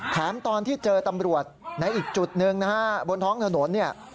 แถมตอนที่เจอตำรวจในอีกจุดหนึ่งนะฮะบนท้องถนนเนี่ย